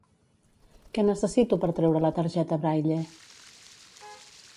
Què necessito per treure la targeta Braille?